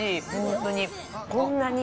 本当に。